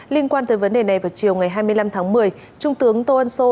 liên quan tới vấn đề này vào chiều ngày hai mươi năm tháng một mươi trung tướng tô ân sô